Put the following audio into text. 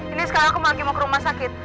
ini sekarang aku mau lagi ke rumah sakit